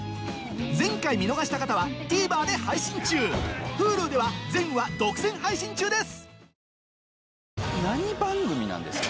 前回見逃した方はＴＶｅｒで配信中Ｈｕｌｕでは全話独占配信中です